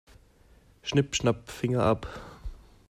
Schnipp-schnapp, Finger ab.